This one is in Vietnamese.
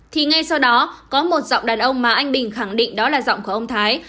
thì ngay sau đó có một giọng đàn ông mà anh bình khẳng định đó là giọng của ông thái